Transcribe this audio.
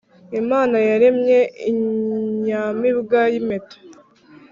imana yaremye inyamibwa y’impeta